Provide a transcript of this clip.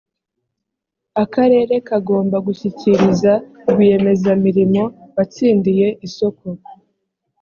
akarere kagomba gushyikiriza rwiyemezamirimo watsindiye isoko